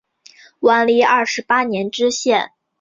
万历二十八年知县。